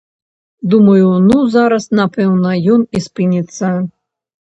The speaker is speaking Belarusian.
Думаю, ну, зараз, напэўна, ён і спыніцца.